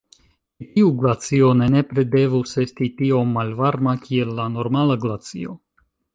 Ĉi tiu glacio ne nepre devus esti tiom malvarma kiel la normala glacio.